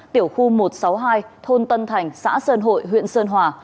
tiểu khu một trăm sáu mươi hai thôn tân thành xã sơn hội huyện sơn hòa